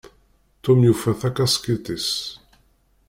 Tom yufa takaskiṭ-is.